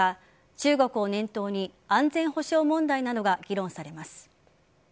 中国を念頭に安全保障問題などが議論されます。